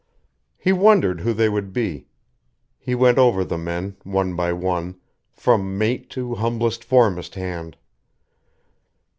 He wondered who they would be; he went over the men, one by one, from mate to humblest foremast hand.